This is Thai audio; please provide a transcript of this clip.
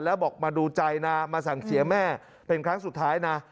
แล้วบอกมาดูใจนะมาสั่งเสียแม่เป็นครั้งสุดท้ายนะ